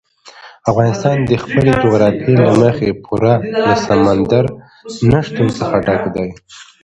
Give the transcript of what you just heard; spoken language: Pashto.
افغانستان د خپلې جغرافیې له مخې پوره له سمندر نه شتون څخه ډک دی.